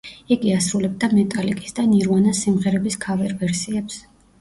იგი ასრულებდა მეტალიკის და ნირვანას სიმღერების ქავერ ვერსიებს.